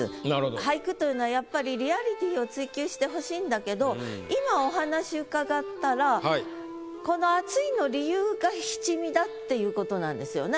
俳句というのはやっぱりリアリティーを追求してほしいんだけど今お話伺ったらこのっていうことなんですよね？